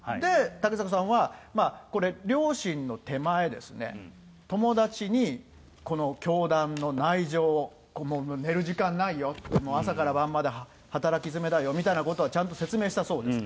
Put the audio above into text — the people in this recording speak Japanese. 竹迫さんは、これ、両親の手前、友達に、この教団の内情、寝る時間ないよ、朝から晩まで働き詰めだよみたいなことをちゃんと説明したそうです。